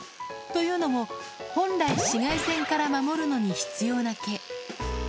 というのも、本来紫外線から守るのに必要な毛。